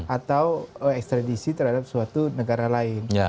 atau ekstradisi terhadap suatu negara lain